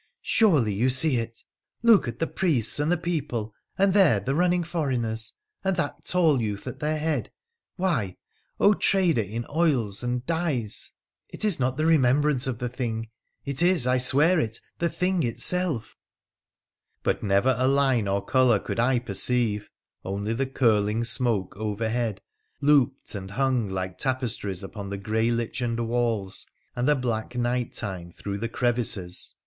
' Surely, you see it ! Look at the priests and the people, and there the running foreigners and that tall youth at their head — why, trader in oils and dies ! it is not the remembrance of the thing, it is, I swear it, the thing itself ' But never a line or colour could I perceive, only the curling smoke overhead looped and hung like tapestries upon the grey lichened walls, and the black night time through the crevices.